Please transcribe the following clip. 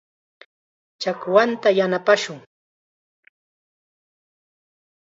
Chakwanta yanapashun.